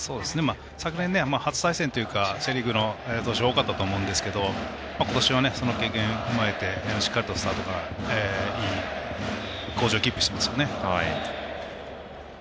去年は初対戦というかセ・リーグの投手多かったと思うんですけど今年は、その経験を踏まえてしっかりと、スタートから好調をキープしていますね。